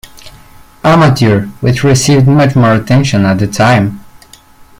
Amateur, which received much more attention at the time.